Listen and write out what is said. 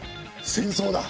戦争だ！